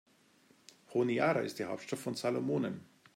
Honiara ist die Hauptstadt der Salomonen.